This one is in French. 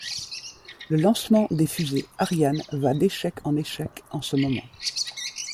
Le lancement des fusées Ariane va d'échecs en échecs en ce moment.